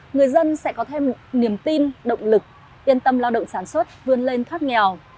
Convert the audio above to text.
người dân sẽ có thêm niềm tin động lực yên tâm lao động sản xuất vươn lên thoát nghèo